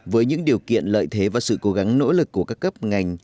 với những điều kiện lợi thế và sự cố gắng nỗ lực của các cấp ngành